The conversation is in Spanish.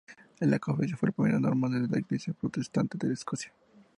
La confesión fue la primera norma de la Iglesia protestante en Escocia.